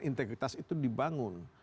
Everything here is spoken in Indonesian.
integritas itu dibangun